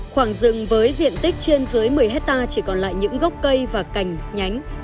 khoảng rừng với diện tích trên dưới một mươi hectare chỉ còn lại những gốc cây và cành nhánh